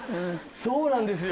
そうなんですよ。